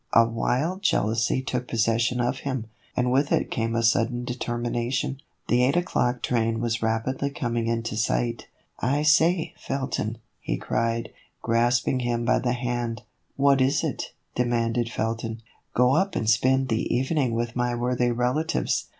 A wild jealousy took possession of him, and with it came a sudden determination. The eight o'clock train was rapidly coming into sight. " I say, Felton," he cried, grasping him by the hand. " What is it ?" demanded Felton. " Go up and spend the evening with my worthy relatives.